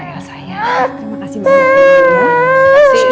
terima kasih banyak bu sarah